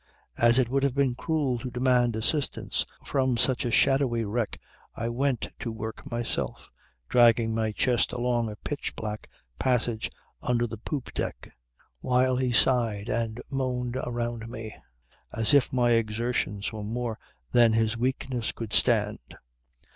As it would have been cruel to demand assistance from such a shadowy wreck I went to work myself, dragging my chest along a pitch black passage under the poop deck, while he sighed and moaned around me as if my exertions were more than his weakness could stand.